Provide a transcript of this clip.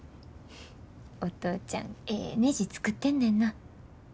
お父ちゃんええねじ作ってんねんな。